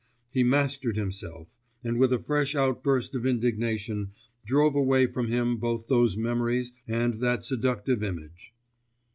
He mastered himself, and with a fresh outburst of indignation drove away from him both those memories and that seductive image.